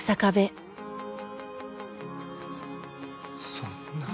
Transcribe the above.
そんな。